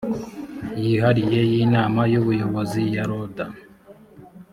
yihariye y inama y ubuyobozi ya loda